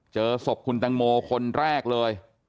เจอศพคุณตังโมคนแรกเลย